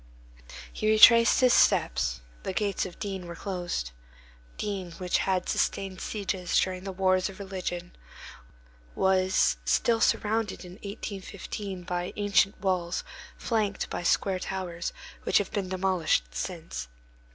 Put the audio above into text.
He retraced his steps; the gates of D—— were closed. D——, which had sustained sieges during the wars of religion, was still surrounded in 1815 by ancient walls flanked by square towers which have been demolished since.